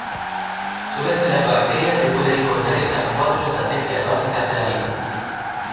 Sólo entre las bacterias se pueden encontrar estas cuatro estrategias básicas de la vida.